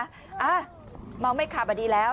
อ้าวมองไม่ขับอันนี้แล้ว